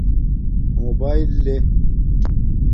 موباݵل لے